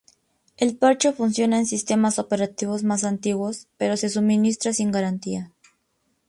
El parche funciona en sistemas operativos más antiguos, pero se suministra sin garantía.